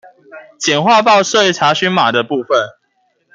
簡化報稅查詢碼的部分